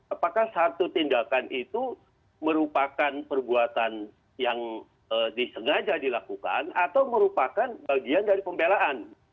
apakah satu tindakan itu merupakan perbuatan yang disengaja dilakukan atau merupakan bagian dari pembelaan